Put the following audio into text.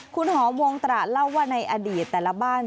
คุณหอวงตระเล่าว่าในอดีตแต่ละบ้าน